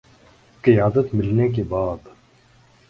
قیادت ملنے کے بعد